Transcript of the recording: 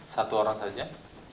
satu orang saja